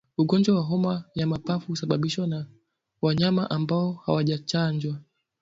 Ugonjwa wa homa ya mapafu husababishwa na wanyama ambao hawajachanjwa